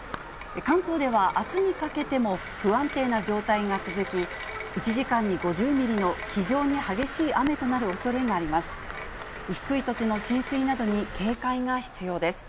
関東ではあすにかけても不安定な状態が続き、１時間に５０ミリの非常に激しい雨となるおそれがあります。